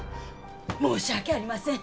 申し訳ありません。